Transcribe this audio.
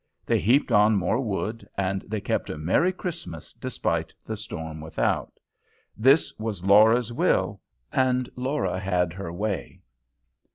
They heaped on more wood, and they kept a merry Christmas despite the storm without. This was Laura's will, and Laura had her way.